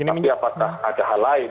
tapi apakah ada hal lain